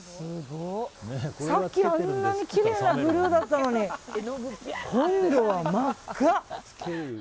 さっきはあんなにきれいなブルーだったのに今度は真っ赤！